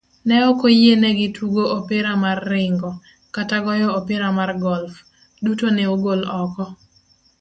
Ne okoyienegi tugoopira mar ringo, kata goyo opira mar golf, duto ne ogol oko